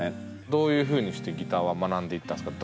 どういうふうにしてギターは学んでいったんですか？